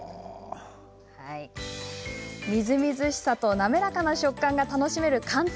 みずみずしさとなめらかな食感が楽しめる寒天。